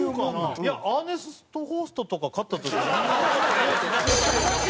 いやアーネスト・ホーストとか勝った時みんなねえ。